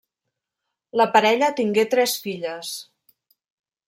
La parella tingué tres filles.